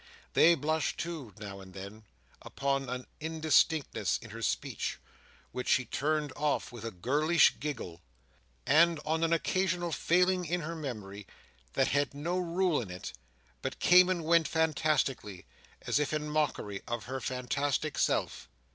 They blushed, too, now and then, upon an indistinctness in her speech which she turned off with a girlish giggle, and on an occasional failing in her memory, that had no rule in it, but came and went fantastically, as if in mockery of her fantastic self.